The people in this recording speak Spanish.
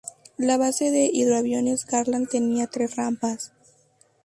La Base de Hidroaviones Garland tenía tres rampas.